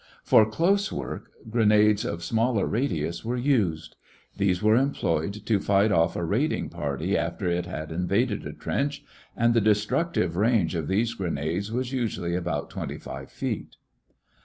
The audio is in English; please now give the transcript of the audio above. For close work, grenades of smaller radius were used. These were employed to fight off a raiding party after it had invaded a trench, and the destructive range of these grenades was usually about twenty five feet.